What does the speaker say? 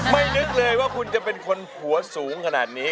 ไม่นึกเลยว่าคุณจะเป็นคนผัวสูงขนาดนี้